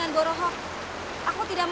tak bisaublah aku